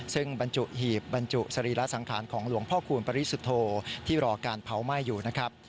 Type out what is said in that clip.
ซึ่งบรรจุหีบบรรจุสรีระสังขารของหลวงพ่อคูณปริสุทธโธที่รอการเผาไหม้อยู่นะครับ